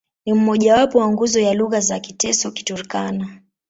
Ni mmojawapo wa nguzo ya lugha za Kiteso-Kiturkana.